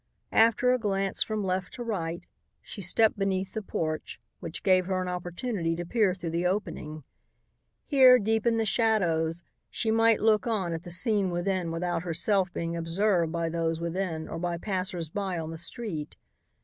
After a glance from left to right, she stepped beneath the porch, which gave her an opportunity to peer through the opening. Here, deep in the shadows, she might look on at the scene within without herself being observed by those within or by passers by on the street.